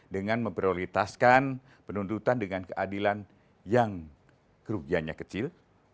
dengan memprioritaskan penuntutan dengan keadilan yang kerugiannya kecil